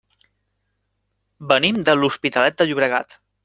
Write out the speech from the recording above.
Venim de l'Hospitalet de Llobregat.